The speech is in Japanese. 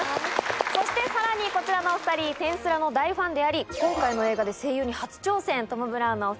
そしてさらにこちらのお２人『転スラ』の大ファンであり今回の映画で声優に初挑戦トム・ブラウンのお２人です。